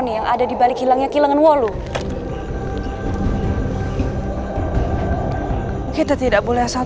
iya kanjeng tolong izinkan hamba